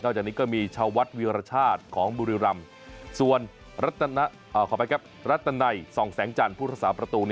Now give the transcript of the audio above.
นอกจากนี้ก็มีชาววัดวิวรชาติของบุริรำส่วนรัตนัยส่องแสงจันทร์พุทธศาสตร์ประตู